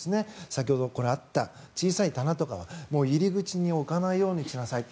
先ほどあった、小さい棚とかは入り口に置かないようにしなさい。